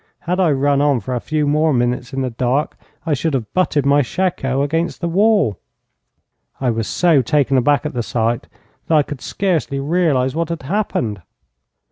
Had I run on for a few more minutes in the dark, I should have butted my shako against the wall. I was so taken aback at the sight, that I could scarcely realize what had happened.